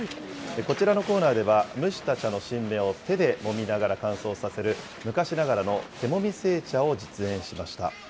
こちらのコーナーでは、蒸した茶の新芽を手でもみながら乾燥させる昔ながらの手もみ製茶を実演しました。